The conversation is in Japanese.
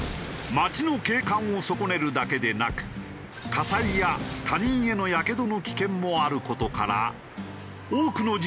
街の景観を損ねるだけでなく火災や他人へのやけどの危険もある事から。